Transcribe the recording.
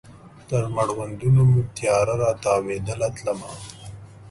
تر مړوندونو مې تیاره را تاویدله تلمه